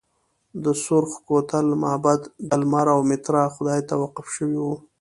د سورخ کوتل معبد د لمر او میترا خدای ته وقف شوی و